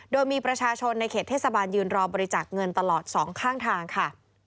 โดยมีประชาชนในเขตเทศบาลยืนรอบริจาคเงินตลอดสองข้างทางค่ะ